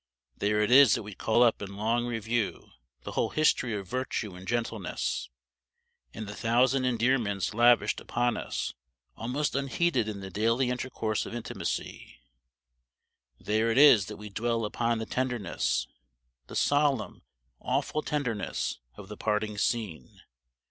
There it is that we call up in long review the whole history of virtue and gentleness, and the thousand endearments lavished upon us almost unheeded in the daily intercourse of intimacy; there it is that we dwell upon the tenderness, the solemn, awful tenderness, of the parting scene.